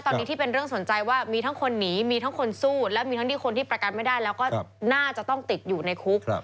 ตอนนี้ที่เป็นเรื่องสนใจว่ามีทั้งคนหนีมีทั้งคนสู้และมีทั้งที่คนที่ประกันไม่ได้แล้วก็น่าจะต้องติดอยู่ในคุก